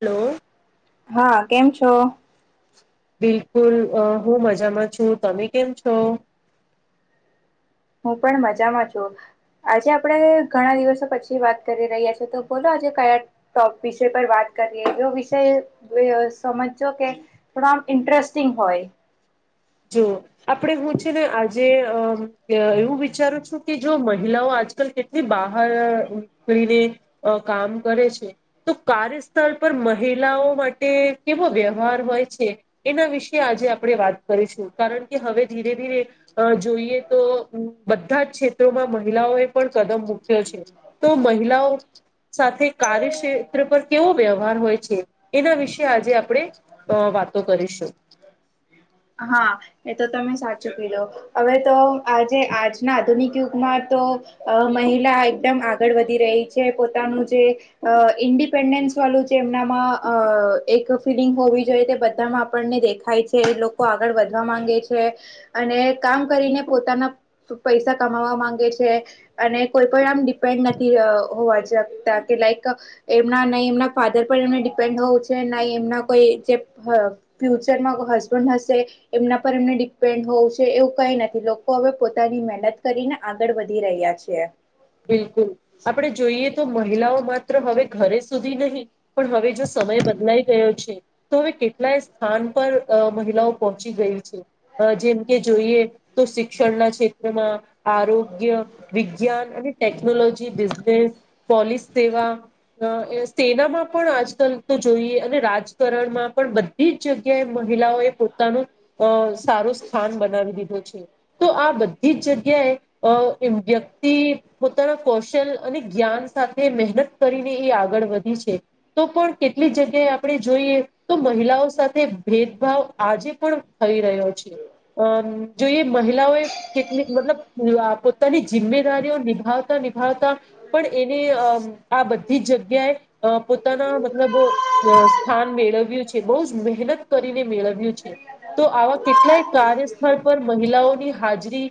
Hello હા કેમ છો. બિલકુલ અ હું મજામાં છું તમે કેમ છો હું પણ મજામાં છું આજે આપડે ઘણા દિવસો પછી વાત કરી રહ્યા છે તો બોલો આજે કયા ટો વિષય પર વાત કરીએ જો વિષય વી સજજો કે થોડા ઇન્ટરેસ્ટિંગ હોય. જો આપડે હું છે ને આજે અ એવું વિચારું છું કે જો મ મહિલાઓ આજકાલ કેટલી બહાર નીકળીને કામ કરે છે તો કાર સ્થળ પર મહિલાઓ માટે કેવો વ્યવહાર હોય છે એના વિશે આજે આપણે વાત કરીશું કારણ કે હવે ધીરે ધીરે અ જોઈએ તો બધા જ ક્ષેત્રોમાં મહિલાઓએ પણ કદમ મૂક્યો છે તો મહિલાઓ સાથે કાર્યક્ષેત્ર પર કેવો વ્યવહાર હોય છે એના વિશે આજે આપણે અ વાતો કરીશું. હા એ તો તમે સાચું કીધો હવે તો આજે આજના આધુનિક યુગમાં મહિલા એકદમ આગળ વધી રહી છે પોતાનું જે અ ઇન્ડિપેન્ડન્સ વાલુળ જે એમનામાં એક ફિલિંગ હોવી જોઈએ તે બધામાં આપણને દેખાય છે એ લો કો આગળ વધવા માંગે છે અને કામ કરીને પોતાના પૈસા કમાવા માંગે છે. અને કોઈ પણ આમિપેન્ડ નથી હોવાતા કે લાઈક એમ ના ન‌ઈ ફાધર પર એમને ડિપેન્ડ હોવું છે ના એમના કોઈ ફ ફ્યુચરમાં કોઈ હસબન્ડ હ સે એમના પર એમને ડિપેન્ડ હોવું એવું કઈ નથી લોકો હવે પોતાની મહેનત કરીને આગળ વ વધી રહ્યા છે. બિલકુલ આપણે જોઈએ તો મહિલાઓ માત્ર હવે ઘરે સુધી નહીં પણ હવે જો સમય બદલાઈ ગયો છે તો હવે કેટલાય સ્થાન પર અ મહિલાઓ પહોંચી ગઈ છે જેમ કે જોઈએ તો શિક્ષણના ક્ષેત્રમાં આરોગ્ય વિજ્ઞાન અને ટેકનોલોજી બિઝનેસ પોલીસ સેવા અ સેનામાં પણ આજકાલ તો જોઈ અને રાજકારણમાં પણ બધી જ જગ્યાએ મહિલાઓ એ પોતાનું સારો સ્થાન બનાવી દીધું છે તો આ બધી જ જગ્યાએ વ્યક્તિ પોતાના કૌશલ અને જ્ઞાન સાથે મહેનત કરીને એ આગળ વધી છે તો પણ કેટલી જગ્યાએ આપણે જોઈએ તો મહિલાઓ સાથે ભેદભાવ આજે પણ થઈ રહ્યો છે. અમ જોઈએ મહિલાઓએ કેટલી મતલબ પોતાની જિમ્મેદારીઓ નિભાવતા નિભાવતા પણ એને આ બધી જ જગ્યાએ પોતાના મતલબ સ્થાન મેળવ્યું છે બહુ જ મહેનત કરીને મેળવ્યું છે. તો આવા કેટલાય કાર્યસ્થળ પર મહિલાઓની હાજરી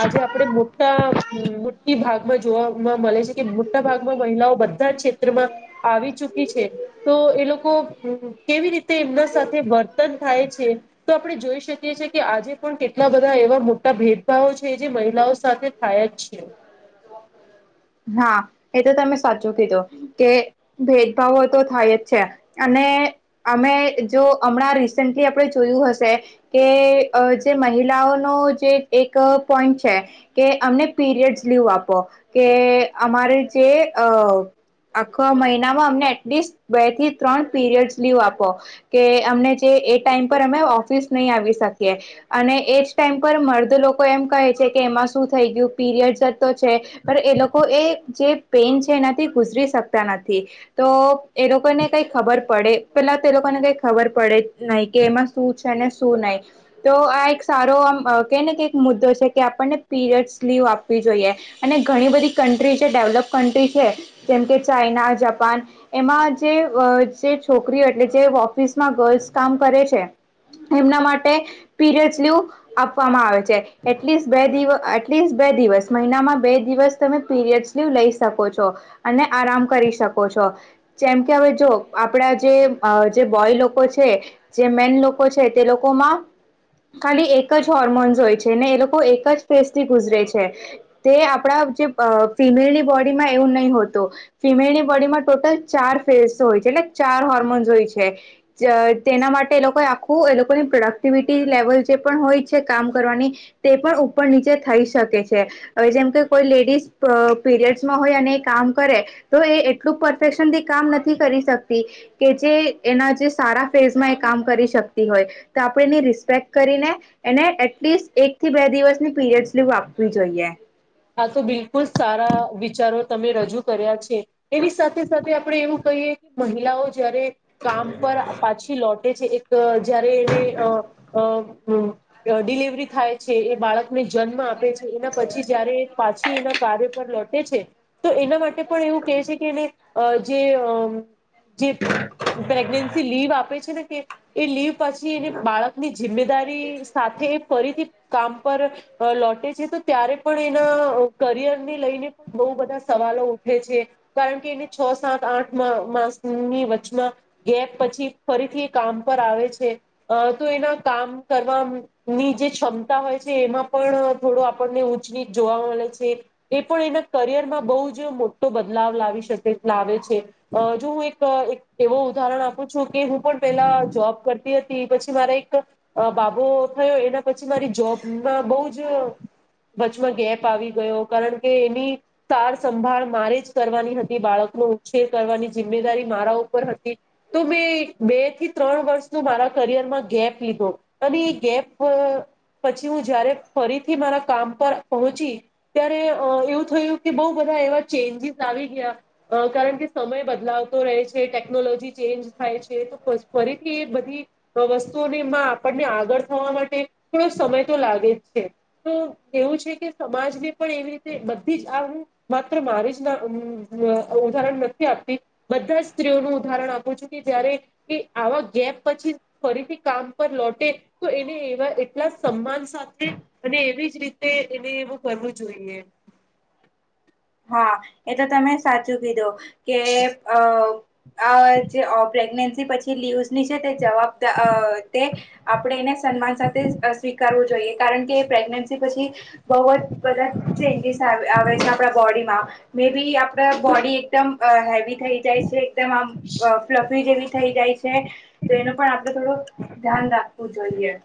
આજે આપણે મોટા હમ. ભાગમાં જોવાવામાં મળે છે કે મોટા ભાગમાં મહિલાઓ બધા ક્ષેત્રમાં આવી ચુકી છે તો એ લોકો કેવી રીતે એમના સાથે વર્તન થાય છે તો આપણે જોઈ શકીએ કે આજે પણ કેટલા બધા એવા મોટા ભેદભાવો છે જે મહિલાઓ સાથે થયા જ છે. હા એ તો તમે સાચું કીધું કે ભેદભાવો તો થાય જ છે અને અમે જો હમણાં રીસેન્ટલી આપણે જોયું હશે કે જે જે એક પોઈન્ટ છે કે અમને પિરિયડ્સ લીવ આપો કે અમારે જે અ આખા મહિનામાં અમને એટલીસ્ટ બે થી ત્રણ પીરિયડસ લીવ આપો કે અમને જે એ ટાઈમ પર અમે ઓફિસ નહી આવી શકીએ અને એજ ટાઈમ પર મર્દ લોકો એમ કહે છે કે એમાં શું થઈ ગયું પીરિયડ તો છે પણ એ લોકો એ જે પેન છે એનાથી ગુજરી શકતા નથી તો એ લોકોને કઈ ખબર પ પડે પેલા તે લોકોને કઈ ખબર પડે નહી કે એમાં શું છે શું નહી તો આ એક ો આમ ક ને કક મુદ્દો છે કે આપણને પીરિયડ લીવ આપવી જોઈએ અને ઘણી બધી કન્ટ્રી છે ડેવલપ કન્ટ્રી છે જેમકે ચાઈના જાપાન એમાં જે જે છોકરીઓ એટલે જે ઓફિસમાં ગર્લ્સ કામ કરે છે. એમના માટે પીરિયડ લીવ આપવામાં આવે છે. એટલીસ્ટ બે દિવસ મહિનામાં બે દિવસ તમે પીરિયડ લીવ લઈ શકો છો અને આરામ કરી શકો છો જેમ કે હવે જો આપણા જે જે બોય લોકો છે જે મેન લોકો છે તે લોકોમાં ખાલી એક જ હોર્મોન્સ હોય છે ને એ લોકો એક જ ફેસથી ગુજરે છે તે આપણા જે અ ફિમેલની બોડીમાં એવું નહીં હોતું ફિમેલની બોડીમાં ટોટલ ચાર ફેસો હોય છે એટલે ચાર હોર્મોન્સ હોય છે તેના માટે એ લોકોએ આખું એ લોકોની પ્રોડક્ટિવિટી લેવલ જે હોય છે કામ કરવાની તે પણ ઉપર નીચે થઈ શકે છે હવે જેમ કે કોઈ લેડીઝ પીરિયડ્સમાં હોય અને એ કામ કરે તો એ એટલું પરફેક્શનથી કામ નથી કરી શકતી કે જે એના જે સારા ફેઝમાં એ કામ કરી શકતી હોય તો આપણેે એની રિસ્પેક્ટ કરીને એને એટલીસ્ટ એક થી બે દિવસની પીરિયડ લી આપવી જોઈએ. આ તો બિલકુલ સારા વિચાર તમે રજૂ કર્યા છે એની સાથે સાથે આપણેે એવું કહીએ કે મહિલાઓ જારે કામ પર પાછી લટે છે એક જયારે એને હમ ડિલવરી થાય છે એ બાળકને જન્મ આપે છે એના પછી જારે પાછી એના કાર્ય પર લટે છે તો એના માટે પણ એવું કેહે છે કે એને જે જે પ્રેગનેન્સી લીવ આપે છે ને કે એ લીવ પછી એને બાળકની જિમ્મેદારી સાથે ફરીથી કામ પર લટે છે તો ત્યારે પણ એના કરિયર ને લઈને પણ બહુ બધા સવાલો ઉઠે છે કારણ કે એને છ સાત આઠ માસની વચમાં ગેપ પછી ફરીથી કામ પર આવે છે તો એના કામ કરવાની જે ક્ષમતા હોય છે એમાં પણ થોડો આપણને જોવા મળે છે એ પણ એના કરિયરમાં બહ જ મોટો બદલાવ લાવી શકેાવે છે. જો હુંવ ઉદાહરણ આપું છું કે હું પણ પેલા જોબ કરતી હતી પછી પછ મારા એક બાબો થયો એના પછી મારી જોબમાં બહ જ વચમાં ગેપ આવી ગયો કારણ કે એની સાર સંભાળ મારે જ કરવાની હતી બાળકનો ઉછેર કરવાની જીમેદારી મારાઉપર તો મે બે થી ત્રણ વર્ષ મારા પીયરમા ગેપ લીધો અદી એ ગેપ અ પછી હું જયારે ફરીથી મારા કામ પહોચી ત્યારે એવું થયું કે બહુ બધા એવા ચેન્જીસ આવી ગયા કારણ કે સમય બદલાવતો રહે છે ટેકનોલોજી ચેન્જ થાય છે તો ફરીથી એ બધી વસ્તુઓનીમાં આપણને આગળ થવા માટે થોડો સમય તો લાગે જ છે તો એવું છે કે સમાજને પણ એવી રીતે બધી જ આ હું માત્ર મારી જ ના ઉદાહરણ નથી આપતી બધા સ્ત્રીઓનું ઉદાહરણ આપું છું કે જયારે કે આવા ગેપ પછી ફરીથી કામ પર લોટે તો એવી એવા એટલા સન્માન સાથે અને એવી જ રીતે તે એને એવું કરવું જોઈએ હા એ તો તમે સાચું કીધું કે અ અજે પ્રગનેટ તે પછી લીયુઝની છે જવાબદાર અ તે આપણે એને સન્માન સાથે સ્વીકારવું જોઈએ તે કારણ કે પ્રેગ્ન્સી પછી બહુ જ બધા ચેન્જીસ આવે આવે તો આપણા બોડીમાં મે બી આપણા બોડી એકદમ હેવી થઈ જાય છે એકદમ આમ ફ્લપી જેવી થઈ જાય છે તો એનું પણ આપડે થોડું ધ્યાન રાખવું જોઈએ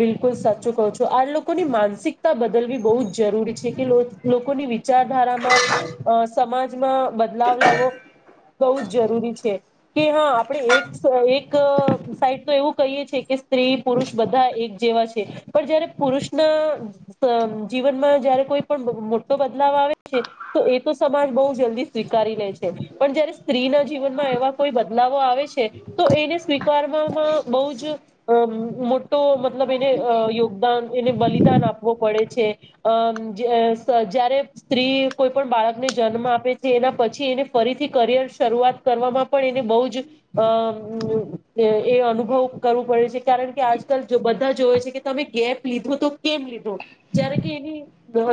બિલકુલ સાચું કહો છો આ લોકોની માનસિકતા બદલવી બહુ જ જરૂરી છે કે લોકોની વિચારધારામાં અ સમાજમાં બદલાવ લાવો બહુ જ જરૂરી છે કે હા આપણે એક એક સાઈડ તો એવું કહીએ છીએ કે સ્ત્રી પુરુષ બધા એક જેવા છે પણ જયારે પુરુષના જીવનમાં જયારે કોઈ પણ મોટો બદલાવ તો આવે છે એ તો સમાજ બહુ જલ્દી સ્વીકાર લે છે પણ જયારે સ્ત્રી ના જીવનમાં એવા કોઈ બદલાઓ આવે છે તો એને સ્વીકારવામાં બહુ જ મોટો મતલબ એને યોગદાન એને બલિદાન આપવું પડે છે આમ જ જ્યારે સ્ત્રી કોઈ પણ બાળકને જન્મ આપે છે એના પછી એને ફરીથી કરિયર શરૂઆત કરવામાં પણ બહુ જ અ મુઉ એ અનુભવ કરવો પડે છે કારણ કે આજકાલ જો બધા જોવે છે કે તમે ગેપ લીધો તો કેમ લીધો જ્યારે કે એની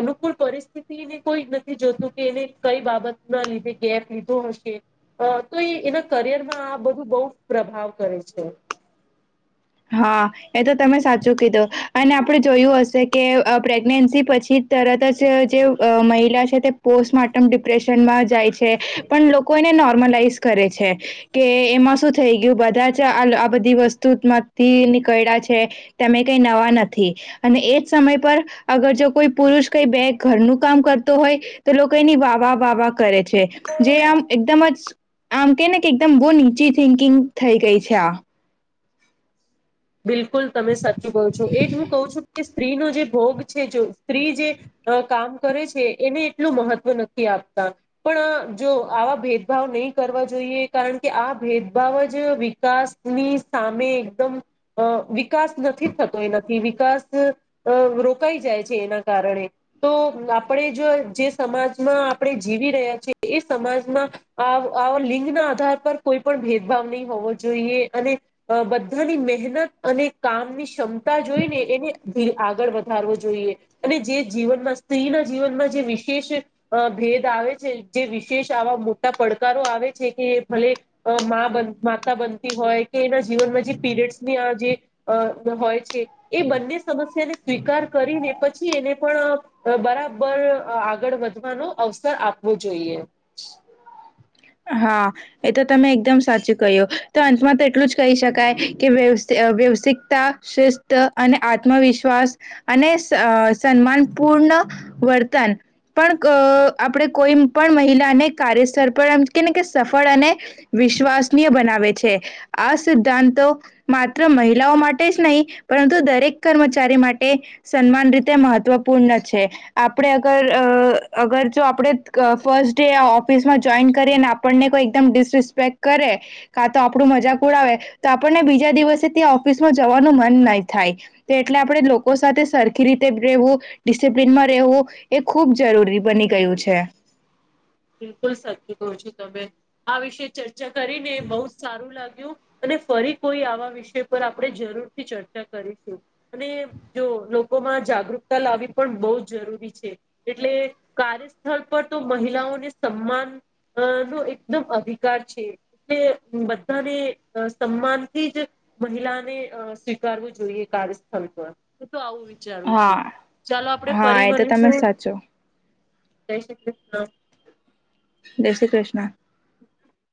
અનુકૂળ પરિસ્તિ કોઈ નથી જોતું કે એને કઈ બાબત ના લીધે ગેપ લીધો હશે તો એના કરિયર માં આ બધું બહુ પ્રભાવ કરે છે હા એ તો તમે સાચું કીધું અને આપણે જોયું હશે કે પ્રેગ્નેન્સી પછી તરત જ જે મહિલા છે તે પો પોસ્ટમોર્ટમ ડિપ્રેશનમાં જાય છે પણ લોકો એને નોર્મલાઈઝ કરે છે કે એમાં શું થઈ ગયું બધા જ આ આ બધી વસ્તુમાં થી નીકળ્યા છે તમે કઈ નવા નથી અને એજ સમય પર અગર જો કોઈ પૂર પ્રુરુસ કઈ બે ઘરનુંહુ કામ કરતો હોય તો લોકો એની વાવા વાવા કરે છે જે આમ એકદમ જ આમ કે ને કે એકદમ બહુ નીચી થિંકિંગ થઈ ગઈ છે આ બિલકુલ તમે સાચી બો છો એ જ હું કહું છું કે સ્ત્રીનોો જે ભોગ છે જો સ્ત્રી જે કામ કરે છે એને એટલું મહત્વ નક્કી આપે આપતા પણ જો આવા ભેદભાવ નહીં કરવા જોઈએ કારણ કે આ ભેદભાવ જ તો વિકાસ ની સામે એકદમ અ વિકાસ નથી થતો એનાથી વિકાસ રોકાઈ જાય છે એના કારણે તો આપણે જો જે સમાજમાં આપણે જીવી રહ્યા છીએ એ સમાજમાં આવ આવતો લિંગ ના આધાર પર કોઈ પણ ભેદભાવ નહીં હોવો જોઈએ અને બધાની મહેનત અને કામની ક્ષમતા જોઈ ને એને આગળ વધારવો જોઈએ અને જે જીવનમાં બસ સ્ત્રી ના જીવનમાં જે વિશેષ ભેદ આવે છે જે વિશેષ આવા મોટા પડકારો આવે છે કે ભલે અ મા બનવુ માતા બનતી હોય કે એના જીવનમાં જે પીરિયડ્ની જે હોય છે એ બંને સમસ્યાને સ્વીકાર કરીને પછી એને પણ અ બરાબર આગળ વધવાનો અવસર આપવો જોઈએ હા એ તો તમે એકદમ સાચું કહ્યું તો અંતમાં તો એટલું જ કહી શકાય કે વ્યવઆ વ્યવસિકતા શિસ્ત અને આત્મવિશ્વાસ અને અ સન્માન પૂર્ણ વર્તન પણ આપણે કોઈ પણ મહિલાને કાર્યસ્તર પર કેને કે સફળ અને વિશ્વાસનીય બનાવે છે આ સિદ્ધાંતો માત્ર મહિલાઓ માટે જ નહીં પરંતુ દરેક કર્મચારી માટે સન્માન રીતે મહત્વપૂર્ણ છે. આપણે અગર અગર જો આપણે ફસ્ટ ડે ઓફિસમાં જોઈન આપણનેઈમિસિસ્પેક્ટ કરે કા તો આપણું મજાક ઉડાવે તો આપણને બીજા દિવસ ઓફિસ માં જવાનું મન નહી થાય, તો એટલે આપે લોકો સાથે સરખી રીતે રહેવું, ડિસિપ્લનમાં રહેવું એ ખૂબ જરૂરી બની ગયું છે. [inaudible] બિલકુલ સાચું કો છો તમે આ વિશે ચર્ચા કરીને બહુ જ સારું લાગ્યું અને ફરી કોઈ આવા વિષય પર આપણે જરૂર થી ચર્ચા કરીશું, અને જો લોકોમાં જાગૃતતા લાવવી પણ બહુ જરૂરી છે, એટલે કાર્યસ્થળ પર તો મહિલાઓને સમાન નો એકદમ અધિકાર છે, એલે બધાને સન્માનથી જ મહિલાને સ્વીકારવું જોઈએ, કાર્યસ્થળ પર આવું વિચારું છું હા ચાલો આપડે હા ફરી એ તો તમે બનીશું. સાચો જય શ્રી કૃષ્ણ જય શ્રી કૃષ્ણ